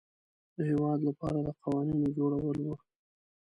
د هیواد لپاره د قوانینو جوړول وه.